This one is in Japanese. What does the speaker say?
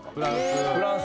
フランス。